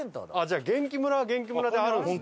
じゃあ元気村は元気村であるんですね。